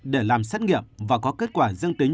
để làm xét nghiệm và có kết quả dương tính